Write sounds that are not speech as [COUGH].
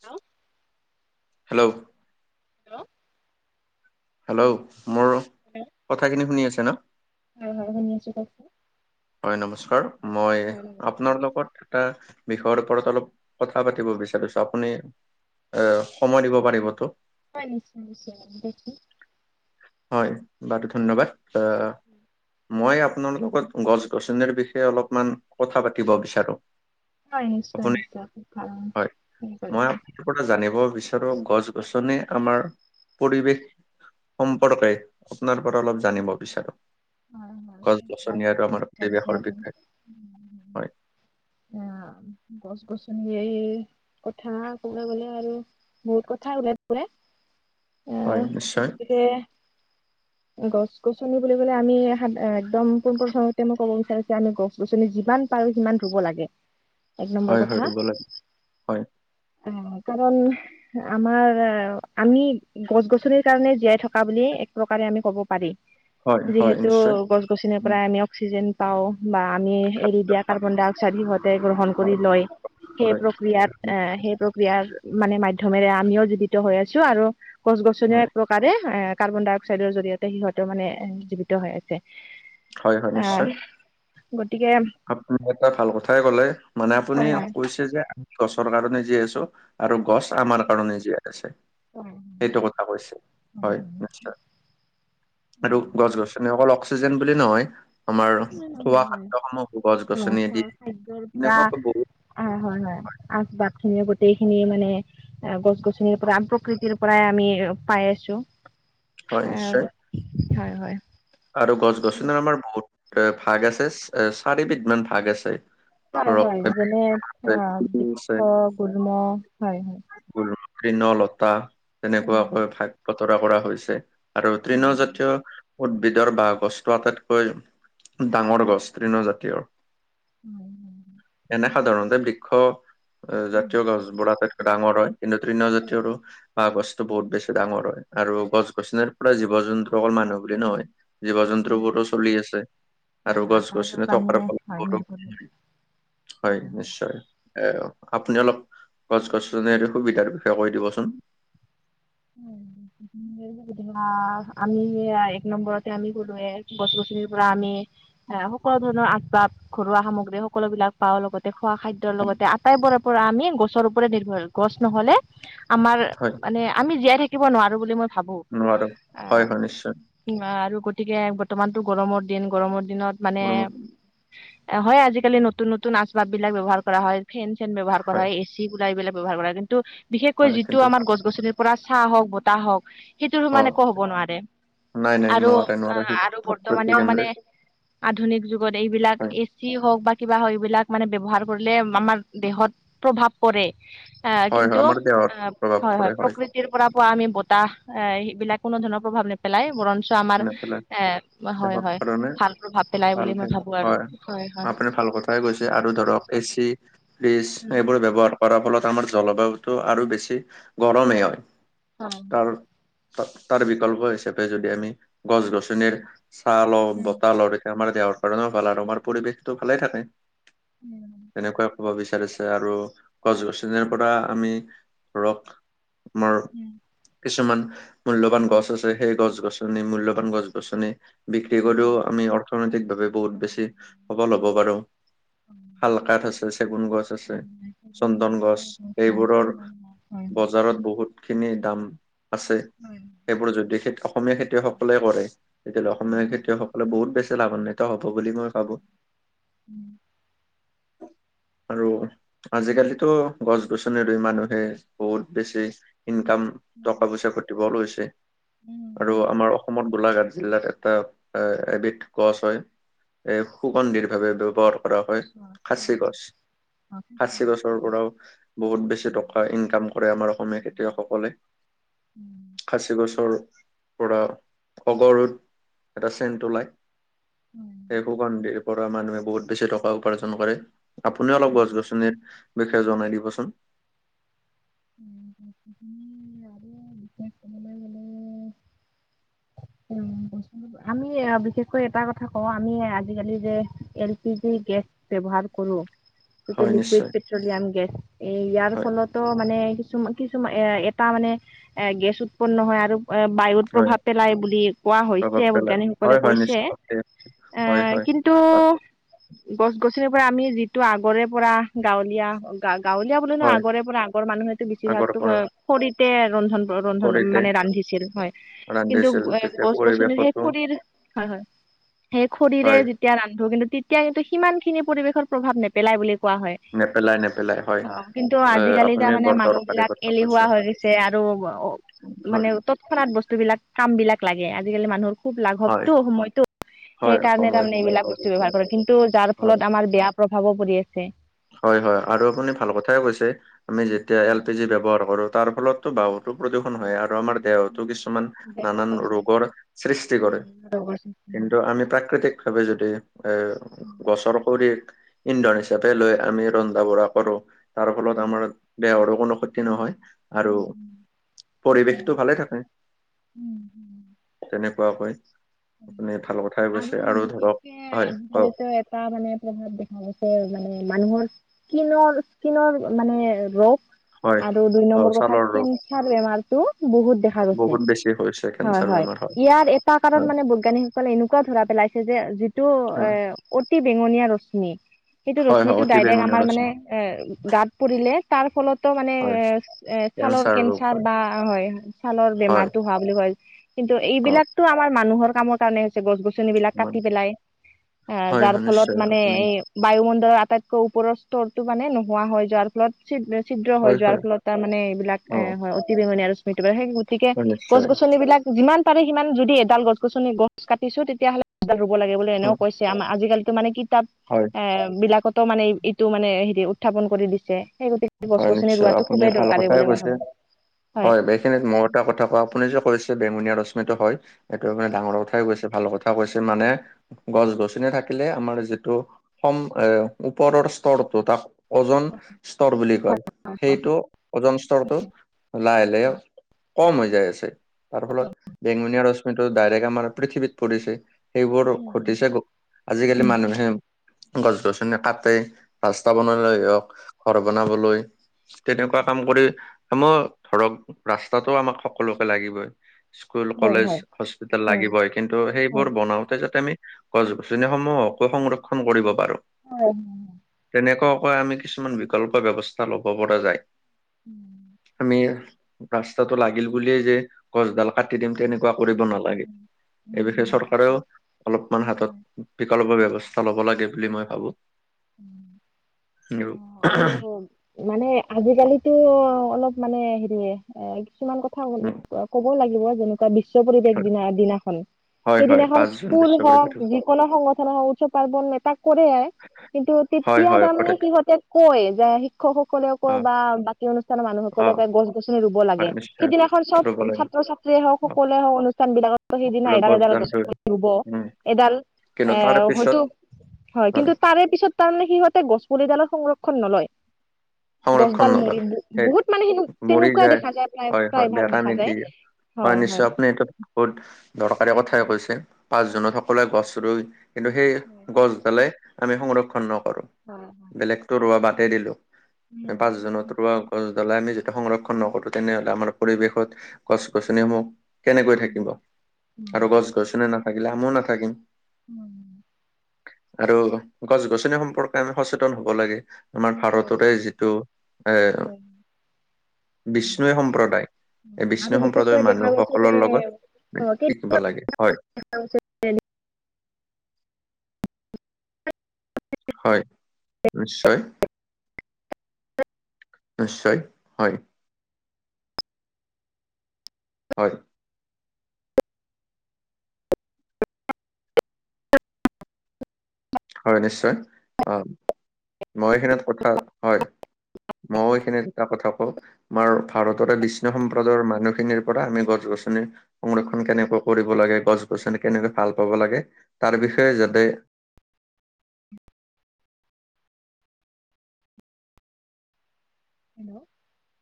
Hello, hello, hello, hello, মোৰ কথাখিনি শুনি আছে ন? হয়-হয় শুনি আছো কওকচোন। হয় নমস্কাৰ মই হয় নমস্কাৰ আপোনাৰ নমস্কাৰ। লগত এটা বিষয়ৰ ওপৰত অলপ কথা পাতিব বিচাৰিছো আপুনি এ সময় দিব পাৰিবতো। হয় নিশ্চয় - নিশ্চয় দেখি হয় বাৰু ধন্যবাদ আহ মই আপোনাৰ লগত গছ-গছনিৰ বিষয়ে অলপমান কথা পাতিব বিচাৰো। হয় আপুনি নিশ্চয়-নিশ্চয় খুব ভাল হয় মই কৰিছে। আপোনাৰ পৰা জানিব বিচাৰো গছ-গছনি আমাৰ পৰিৱেশ সম্পৰ্কে আপোনাৰ পৰা অলপ জানিব বিচাৰো। অ, গছ ভাল-ভাল-ভাল গছনি আৰু আমাৰ বিচাৰিছে পৰিৱেশৰ আপুনি। বিষয়ে হয় [UNINTELLIGIBLE] অ, গছ - গছনি কথা কবলে গলে আৰু বহুত কথা ওলাই পৰে। হয় আহ, নিশ্চয় গতিকে গছ গছনি বুলি কলে আমি সা একদম পোন প্ৰথমতে মই ক'ব বিচাৰিচো আমি গছ-গছনি যিমান পাৰো সিমান ৰুব লাগে। [INAUDIBLE] এক নম্বৰ হয় কথা ৰুব লাগে হয় কাৰণ আমাৰ আমি গছ-গছনিৰ কাৰণে জীয়াই থকা বুলিয়েই এক প্ৰকাৰে আমি কব পাৰি। হয়, হয়, যিহেতু নিশ্চয়। গছ-গছনিৰ উম, পৰাই আমি অক্সিজেন পাও বা আমি এৰি দিয়াক কাৰ্বন- ডাই -অক্সাইড ই সিঁহতে গ্ৰহণ কৰি হয়, লয়। সেই পঢ়াই প্ৰক্ৰিয়াত এ সেই প্ৰক্ৰিয়াৰ মানে মাধ্যমেৰে আমিও যোডিত হৈ আছো আৰু গছ গছনিও হয়, এক প্ৰকাৰে এ কাৰ্বন ডাই অক্সাইডৰ জৰিয়তে সিহঁতে মানে এ, জীৱিত হৈ আছে হয়, হয়, আহ নিশ্চয়। গতিকে। আপুনি এটা ভাল কথাই কলে মানে আপুনি কৈছে যে আমি গছৰ কাৰণে জীয়াই আছো। আৰু গছ আমাৰ কাৰণে জীয়াই আছে সেইটো কথা কৈছে হয় নিশ্চয়। আৰু গছ গছনি অকল অক্সিজেন বুলি নহয় আমাৰ খোৱা খাদ্যসমূহ। গছ গছনি এবিধ এনেকুৱা বহু, অ হয় হয় আচবাত খিনি গোতেইখিনি মানে গছ গছনিৰ পৰা প্ৰকৃতিৰ। পৰাই আমি পাই আছোঁ হয়, নিশ্চয়। হয় হয়। আৰু গছ গছনিৰ আমাৰ বহুত ভাগ আছে চাৰিবিধ মান ভাগ আছে। হয় ধৰক হয় যেনে অ বৃক্ষ আছে গলম হয় হয়। তৃণ লতা উম, তেনেকুৱাকৈ ভাগ বতৰা কৰা হৈছে। আৰু তৃণ উম, জাতীয়। উদ্ভিদৰ বাঁহ গছটো আটাইতকৈ ডাঙৰ গছ তৃণ জাতীয় [INAUDIBLE] এনে সাধাৰণতে বৃক্ষ উম, জাতীয় গছ বোৰ আটাইতকৈ ডাঙৰ হয়। তৃণ জাতীয় আৰু বহ গছটো বহুত বেছি ডাঙৰ হয় আৰু গছ গছনিৰ পৰা জীৱ জন্তু অকল মানুহ বুলি নহয়। জীৱ জন্তু উম, বহুতো চলি আছে আৰু হয়, গছ- আটাইবোৰ গছনি থকাৰ প্ৰাণীয়ে ফলত হয় নিৰ্ভৰশীল বহুতো হয় নিশ্চয়। এ আপুনি অলপ গছ গছনি সুবিধাৰ বিষয়ে কৈ দিবচোন। হয়। আমি এক নম্বৰতে আমি গলো গছ গছনিৰ পৰা আমি। এ সকলো ধৰণৰ আজ বাপ ঘৰুৱা সামগ্ৰী সকলো বিলাক পাওঁ লগতে খোৱা খাদ্য। লগতে আটাইবোৰে পৰা আমি গছৰ ওপৰে নিৰ্ভৰ গছ নহলে আমাৰ হয় মানে। আমি জীয়াই থাকিব নোৱাৰো বুলি মই, ভাবো নোৱাৰো আহ হয় হয় নিশ্চয়। আৰু গতিকে বৰ্তমানতটো গৰমৰ দিন গৰমৰ দিনত মানে। হয় আজিকালি নতুন নতুন আচবাব বিলাক ব্যৱহাৰ কৰা হয় ফেন চেন ব্যৱহাৰ কৰা হয় এচি, এইবিলাক ব্যৱহাৰ কৰা কিন্তু বিশেষকৈ হয় যিটো কিন্তু আমাৰ গছ-গছনিৰ পৰা চাহ হওঁক বতাহ হওঁক। সেইটো হয় সমান একো হ'ব নোৱাৰে নাই নাই আৰু নোৱাৰে নোৱাৰে অঁ সেইটো আৰু প্ৰকৃতি বৰ্তমানেও কেন্দ্ৰিক মানে। আধুনিক যুগত এইবিলাক হয় এচি হওঁক বা কিবা হওঁক এইবিলাক মানে ব্যৱহাৰ। লে আমাৰ দেহত প্ৰভাৱ পৰে আহ হয় হয়, কিন্তু অঁ আমাৰ দেহত প্ৰভাৱ হয় পৰে হয়। ৰ পৰা পোৱা আমি বতাহ এ এইবিলাক কোনো ধৰণৰ প্ৰভাৱ নেপেলাই বৰণ আমাৰ নেপেলাই এ হয় দেহৰ হয় কাৰণে ভাল প্ৰভাৱ পেলাই বুলি মই ভাবো আৰু হয় হয়। হৈগৈছে আৰু ধৰক এচি ফ্ৰিজ উম এইবোৰ ব্যৱহাৰ। কৰাৰ ফলত আমাৰ জলবায়ুটো আৰু বেছি গৰমহে হয় তাৰ তাৰ বিকল্প হিচাপে যদি আমি গছ গছনিৰ ছলৰ বতালৰ, আমাৰ দেহৰ কাৰণেও ভাল আৰু আমাৰ পৰিৱেষতটো ভালে থাকে তেনেকুৱা। কব বিচাৰিছে আৰু গছ গছনিৰ পৰা আমি ধৰক। আমাৰ কিছুমান মূল্যবান গছ আছে সেই গছ গছনী। মূল্যবান গছ গছনি। বিক্ৰী কৰিও আমি অৰ্থনৈতিকভাৱে বহুত বেছি সবল হ'ব পাৰো। শাল কাঠ আছে চেগুন গছ আছে চন্দন গছ এইবোৰ। বজাৰত বহুত খিনি দাম আছে সেইবোৰ যদি খে অসমীয়া খেতি। খেতিয়কসকলে কৰে এতিয়া অসমীয়া খেতিয়কসকলে বহুত বেছি লাভান্বিত হ'ব বুলি মই ভাবো আৰু আজিকালিতো গছ গছনি ৰুই মানুহে বহুত বেছি ইনকাম টকা পইচা ঘটিবৰো হৈছে উম আৰু আমাৰ অসমত গোলাঘাট জিলাত এটা এবিধ গছ হয়। এ সুগন্ধিৰভাৱে ব্যৱহাৰ কৰা হয় খাচী গছ। খাচী বছৰ পৰাও বহুত বেছি টকা ইনকাম কৰে আমাৰ অসমীয়া খেতিয়কসকলে। খাচী গছৰ, পুৰা অগৰুত এটা চেণ্ট ওলাই সেই সুগন্ধী পৰা মানুহে বহুত বেছি টকা উপাৰ্জন কৰে। আপুনিও অলপ গছ গছনিৰ বিষয়ে জনাই দিবচোন। উম উ ইয়াৰো বিশেষ কবলৈ গ'লে উম কৈছো ৰবা আ মি বিশেষকৈ এটা কথা কও আমি আজিকালি যে এল পি জি গেছ ব্যৱহাৰ কৰো যিটো হয় লিকুইড নিশ্চয় পেট্ৰলিয়াম গেছ এই ইয়াৰ হয় ফলতো মানে কিছুমান কিছুমান এ এটা মানে এ গেছ উৎপন্ন হয় আৰু এ বায়ুত হয় প্ৰভাৱ পেলাই বুলি কোৱা হৈছে প্ৰভাৱ পেলাই বৈজ্ঞানিকসকলে হয় হয় কৈছে নিশ্চয় এ, হয়। হয় কিন্তু গছ গছনিৰ পৰা আমি যিটো আগৰে পৰা গাঁৱলীয়া, গাঁৱলীয়া বোলে ন হয় আগৰে পৰা আগৰ মানুহেতো বেছি আগৰ ভাগতো পৰা খৰিতে ৰন্ধন ৰন্ধন সৰুতে মানে ৰান্ধিছিল হয়। কিন্তু ৰান্ধিছিল তেতিয়া গছ গছনি সেই পৰিৱেশতো খৰিৰ হয় হয় সেই খৰিৰে হয় তেতিয়া ৰান্ধো কিন্তু তেতিয়া কিন্তু সিমান খিনি পৰিৱেশত প্ৰভাৱ নেপেলাই বুলি কোৱা হয়। নেপেলাই নেপেলাই হয় অ কিন্তু আজি আহ এতিয়া আপুনি মানে বৰ মানুহ দৰকাৰী বিলাক কথা কৈছে এলেহুৱা হৈ গৈছে আৰু অ মানে হয় তৎক্ষণাত বস্তু বিলাক কাম বিলাক লাগে আজিকালিৰ মানুহ খুব হয় লাঘৱটো সময়তো হয় সেইকাৰণে সময়ত তাৰমানে লাই এইবিলাক পাব বস্তু ব্যৱহাৰ কৰে। কিন্তু যাৰ ফলত হয় আমাৰ বেয়া প্ৰভাৱো পৰি আছে। হয় হয় আৰু আপুনি ভাল কথাই কৈছে। আমি যেতিয়া এল পি জি ব্যৱহাৰ কৰো তাৰ ফলত বহুতো প্ৰদূষণ হয় আৰু আমাৰ দেহতো কিছুমান নানান ৰোগৰ সৃষ্টি কৰে। লগৰ যে কিন্তু আমি প্ৰাকৃতিক ভাৱে যদি এ গছৰ খৰিক ইন্ধন হিচাপে লৈ আমি ৰন্ধা বঢ়া কৰো তাৰ ফলত আমাৰ দেহৰো কোনো ক্ষতি নহয়। আৰু পৰিৱেশটো ভালে থাকে তেনে কোৱাকৈ হয় আপুনি ভাল কথাই কৈছে আৰু ধৰক বিশেষকে হয় কওক আজিকালিতো এটা মানে প্ৰভাৱ দেখা গৈছে মানে মানুহৰ স্কিনৰ স্কিনৰ মানে ৰোগ হয় আৰু দুই অ নম্বৰ কথা ছালৰ ৰোগ কেন্ঞ্চাৰ বেমাৰতো বহুত দেখা গৈছে। বহুত বেছি হৈছে হয় কেঞ্চাৰ হয় বেমাৰ ইয়াৰ এটা কা ৰণ হয় মানে বৈজ্ঞানিকসকলে এনেকোৱা ধৰা পেলাইছে যে যিটো এ উম অতি বেঙুনীয়া ৰশ্মি সেইটো হয় হয় ৰশ্মিটো অতি ডাইৰেক্ট বেঙুনীয়া আমাৰ মানে ৰশ্মি এ গাত পৰিলে তাৰ ফলতো মানে হয় এ ছালৰ ৰোগ কেঞ্চাৰ হয় বা হয় ছালৰ হয় বেমাৰতো হোৱা বুলি কয় কিন্তু অ এইবিলাকটো আমাৰ মানুহৰ কামৰ কাৰণে যে গছ গছনিবিলাক মান কাটি পেলাই এ হয় যাৰ হয় ফলত নিশ্চয় মানে আপুনি এই বায়ুমণ্ডলৰ আটাইতকৈ ওপৰৰ স্তৰটো মানে নোহোৱা হৈ যোৱাৰ ফলত ছিদ্ৰ ছিদ্ৰ হৈ হয় যোৱাৰ হয় ফলত তাৰ মানে এইবিলাক অ এ হয় অতি বেঙুনীয়া ৰশ্মিটো বাঢ়ে সেই গতিকে হয় গছ নিশ্চয় গছনিবিলাক যিমান পাৰে সিমান যদি এডাল গছ গছনি গছ কাটিছো তেতিয়াহ'লে এডাল ৰুব লাগে বুলি এনেও উম, কৈছে আমাৰ আজিকালিতো মানে কি তাত হয় এহ, বিলাকতো মানে ইটো মানে হেৰি উত্থাপন কৰি দিছে সেই গতিকে। গছ হয় গছনি নিশ্চয়, ৰোৱাটো আপুনি খুবেই ভাল দৰকাৰী কথাই বুলি মই কৈছে ভাবো হয়। মইও এটা কথা কওঁ, আপুনি যে কৈছে, বেঙুনীয়া ৰশ্মিটো হয়। সেইটো মানে ডাঙৰ কথাই কৈছে, ভাল কথা কৈছে মানে গছ গছনি থাকিলে আমাৰ যিটো সম এ ওপৰৰ স্তৰটো তাক অজন স্তৰ বুলি কয় সেইটো অজন স্তৰটো লাহে লাহে কম হৈ যায় আছে তাৰ ফলত বেঙুনীয়া ৰশ্মিটোত ডাইৰেক্ট আমাৰ পৃথিৱীত পৰিছে সেইবোৰ ঘটিছে আজিকালি মানুহে গছ গছনি কাটে, ৰাস্তা বনাবলৈ হওঁক, ঘৰ বনাবলৈ তেনেকুৱা কাম কৰি, মই ধৰক ৰাস্তাটো আমাক সকলোকে লাগিবই স্কুল হয় কলেজ হয় হস্পিতাল লাগিবই, কিন্তু হয় সেইবোৰ বনাওতে যাতে আমি গছ গছনিসমূহকো সংৰক্ষণ কৰিব পাৰো। হয়। তেনেকুৱাকৈ আমি কিছুমান বিকল্প ব্যৱস্থা লব পৰা যায়। আমি ৰাস্তাটো লাগিল বুলিয়ে যে গছডাল কাটি দিম, তেনেকুৱা কৰিব নালাগে। এই বিষয়ে চৰকাৰেও অলপমান হাতত বিকল্পৰ ব্যৱস্থা লব লাগে বুলি মই ভাবো। আৰু অহ, আৰু মানে আজিকালিতো অলপ মানে হেৰিয়ে এ কিছুমান কথা উম, কব লাগিব, যেনেকুৱা বিশ্ব পৰিবেশ দিনা দিনাখন। হয় হয় সেইদিনাখন পাঁচ জুন স্কুল বিশ্ব পৰিৱেশ হওক দিৱস গণ সংগঠন উৎসৱ পাৰ্বণ নেতাক কৰে। কিন্তু হয় তেতিয়া হয় তাৰমানে কৰে। সিহঁতে কয় যে শিক্ষকসকলেও কয় অ বা সেই অনুষ্ঠানৰ অ মানুহসকলকে গছ গছনি ৰুব লাগে। হয়, নিশ্চয় সেইদিনাখন চব ৰুব লাগে ছাত্ৰ ছাত্ৰীয়ে হওক অ, কলে হওক, অনুষ্ঠান বিলাকত সিদিনা সকলোৱে এডাল এডাল গছডাল গছ ৰুৱে পুলি ৰুব, উম, এডাল কিন্তু এ তাৰ পিছত হয়তো হয়, কিন্তু তাৰে পিছত তাৰমানে সিহঁতে গছপুলিডালৰ সংৰক্ষণ নলয়। সংৰক্ষণ গছডাল মৰি, নলয় সেই বহুত মানে সেনে তেনেকুৱাই দেখা যায়। প্ৰায় হয়, হয় প্ৰায় ভাগ বেৰা দেখা যায়। নিদিয়ে হয় নিশ্চয়। আপুনি এইটো বহুত দৰকাৰী কথাই কৈছে। পাঁচজনত সকলোৱে গছ ৰুই কিন্তু সেই গছডালে আমি সংৰক্ষণ নকৰোঁ। বেলেগতো ৰোৱা বাদেই দিলো। পাঁচজনত ৰোৱা গছডালাই আমি যেতিয়া সংৰক্ষণ নকৰোঁ তেনেহলে আমাৰ পৰিৱেশত গছ গছনিসমূহ কেনেকৈ থাকিব আৰু গছ গছনি নাথাকিলে আমিও নাথাকিম। [INAUDIBLE] আৰু গছ গছনি সম্পৰ্কে আমি সচেতন হব লাগে। আমাৰ ভাৰততে যি আহ বিষ্ণুই সম্প্ৰদায় এই আৰু বিষ্ণুই সম্প্ৰদায়ৰ বিশেষকৈ দেখা মানুহ গৈছে যে সকলৰ লগত অ' শিকিব লাগে হয়। [UNINTELLIGIBLE] হয়, নিশ্চয়। নিশ্চয়, হয়। হয়। হয় নিশ্চয়, অ মই এইখিনিত কথা, হয়। মইয়ো এইখিনি এটা কথা কওঁ আমাৰ ভাৰতৰে বিষ্ণুই সম্প্ৰদায়ৰ মানুহখিনিৰ পৰা আমি গছ গছনি সংৰক্ষণ কেনেকৈ কৰিব লাগে। গছ গছনি কেনেকৈ ভাল পাব লাগে, তাৰ বিষয়ে যাতে হেল্ল।